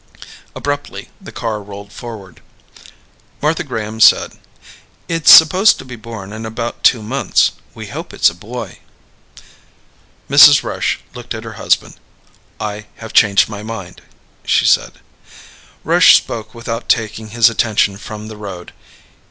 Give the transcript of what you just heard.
Abruptly, the car rolled forward. Martha Graham said, "It's supposed to be born in about two months. We hope it's a boy." Mrs. Rush looked at her husband. "I have changed my mind," she said. Rush spoke without taking his attention from the road.